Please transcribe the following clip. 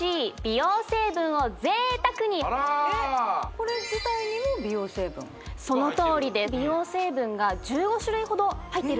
これ自体にも美容成分そのとおりで美容成分が１５種類ほど入っているんですよね？